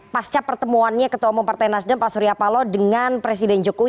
pasca pertemuannya ketua umum partai nasdem pak surya paloh dengan presiden jokowi